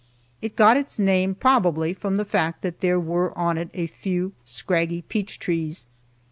It got its name, probably, from the fact that there were on it a few scraggy peach trees.